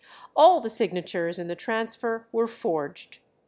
All the signatures in the transfer were forged.